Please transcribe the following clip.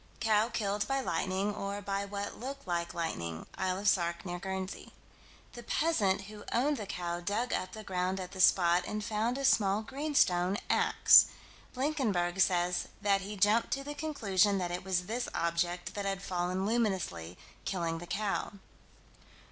Cow killed by lightning, or by what looked like lightning (Isle of Sark, near Guernsey). The peasant who owned the cow dug up the ground at the spot and found a small greenstone "ax." Blinkenberg says that he jumped to the conclusion that it was this object that had fallen luminously, killing the cow.